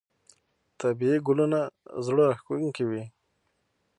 طبیعي ګلونه زړه راښکونکي وي.